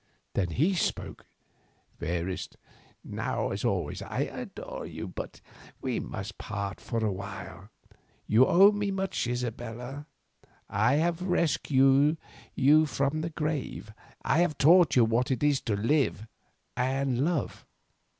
Then he spoke. "Fairest, now as always I adore you. But we must part awhile. You owe me much, Isabella. I have rescued you from the grave, I have taught you what it is to live and love.